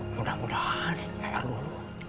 mudah mudahan nyanyi dulu